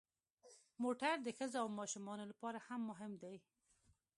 موټر د ښځو او ماشومانو لپاره هم مهم دی.